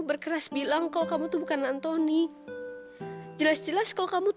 sebenernya aku tuh cuma takut